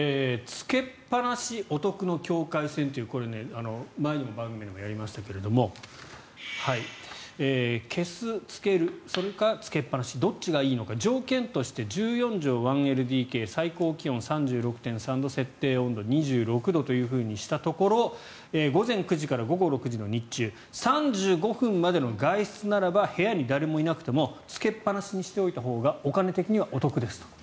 つけっぱなしお得の境界線というこれ、前にも番組でもやりましたけど消す、つけるそれかつけっぱなしどっちがいいのか条件として１４畳１ＬＤＫ最高気温３６．３度設定温度２６度としたところ午前９時から午後６時の日中３５分までの外出ならば部屋に誰もいなくてもつけっぱなしにしておいたほうがお金的にはお得ですと。